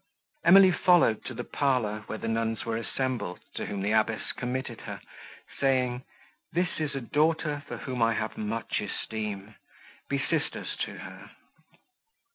Emily followed to the parlour, where the nuns were assembled, to whom the abbess committed her, saying, "This is a daughter, for whom I have much esteem; be sisters to her."